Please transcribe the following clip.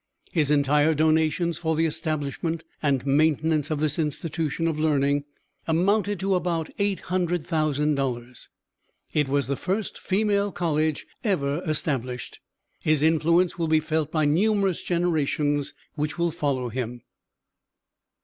His entire donations for the establishment and maintenance of this institution of learning amounted to about $800,000. It was the first Female College ever established. His influence will be felt by the numerous generations which will follow him.